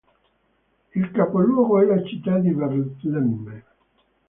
Il capoluogo è la città di Betlemme.